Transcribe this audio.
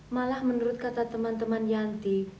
malah menurut kata teman teman yanti